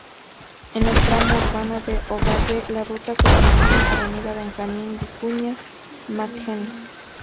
En el tramo urbano de Ovalle la ruta se denomina avenida Benjamín Vicuña Mackenna.